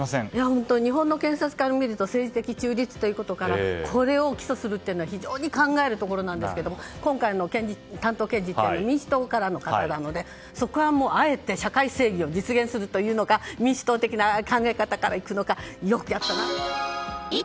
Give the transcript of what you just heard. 本当に日本の検察官を見ると中立というところでこれを起訴するというのは非常に考えるところなんですが今回の担当検事は民主党からの方なのでそこはもうあえて社会制御を実現するということで民主党的な考え方から行くのか。